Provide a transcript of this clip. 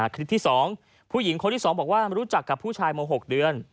คลิปที่๒ผู้หญิงคนที่๒บอกว่ารู้จักกับผู้ชายมา๖เดือน